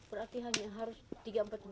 berarti hanya harus tiga empat bulan baru bisa